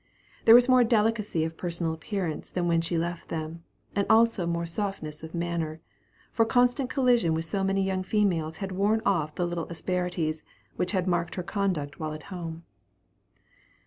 There was more delicacy of personal appearance than when she left them, and also more softness of manner; for constant collision with so many young females had worn off the little asperities which had marked her conduct while at home.